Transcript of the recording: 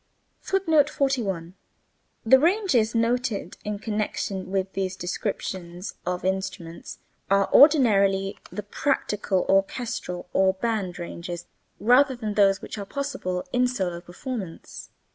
[Footnote 41: The ranges noted in connection with these descriptions of instruments are ordinarily the practical orchestral or band ranges rather than those which are possible in solo performance.